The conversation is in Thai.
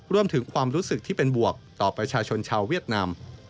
รวมถึงความรู้สึกที่เป็นบวกต่อประชาชนชาวเวียดนาม